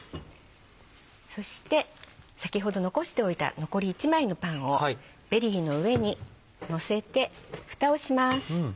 そして先ほど残しておいた残り１枚のパンをベリーの上にのせてフタをします。